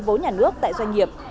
vốn nhà nước tại doanh nghiệp